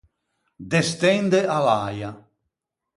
Destende à l’äia.